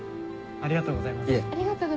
ありがとうございます。